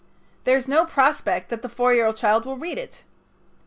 There is no prospect that the four year old child will read it.